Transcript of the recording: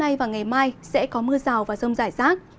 ngày hôm nay và ngày mai sẽ có mưa rào và rông giải rác